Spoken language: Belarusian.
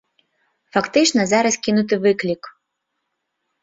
Фактычна зараз кінуты выклік.